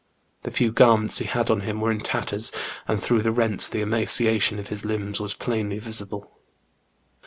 The few garments he had on him were in tatters, and through the rents the emaciation of his limbs was plainly visible.